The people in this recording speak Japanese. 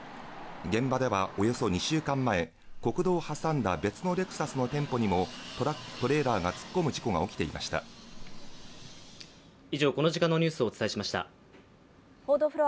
現場ではおよそ２週間前国道を挟んだ別のレクサスの店舗にもトレーラーが突っ込む事故が起きていました。